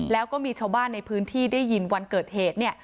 แล้วก็มีชาวบ้านในพื้นที่ได้ยินวันเกิดเหตุเนี่ย